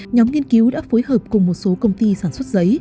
nhóm nghiên cứu đã phối hợp cùng một số công ty sản xuất giấy